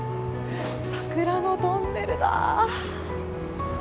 桜のトンネルだ！